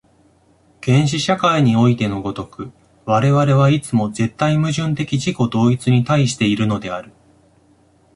原始社会においての如く、我々はいつも絶対矛盾的自己同一に対しているのである。